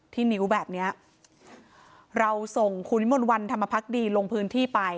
นิ้วแบบเนี้ยเราส่งคุณวิมลวันธรรมพักดีลงพื้นที่ไป